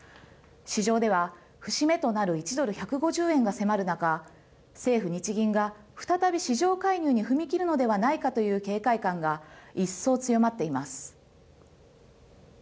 市場では節目となる１ドル１５０円が迫る中、政府・日銀が再び市場介入に踏み切るのではないかという警戒感が一層強まっています。